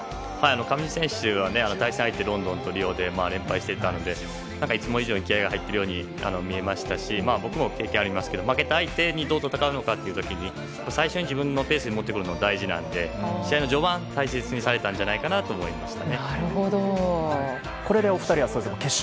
上地選手は対戦相手ロンドンとリオで連敗していたので、いつも以上に気合が入っているように見えましたし僕も経験がありますけど負けた相手にどう戦うのかという時に最初に自分のペースに持ってくるのは大事なので、試合の序盤を大切にされたんじゃないかと思いました。